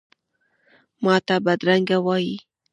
ماته بدرنګه وایې،